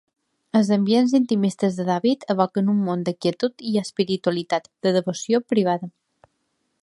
Els ambients intimistes de David evoquen un món de quietud i espiritualitat, de devoció privada.